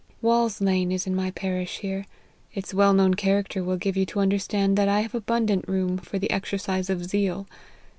Wall's Lane is in my parish here. Its well known character will give you to understand that I have abundant room for the exercise of zeal.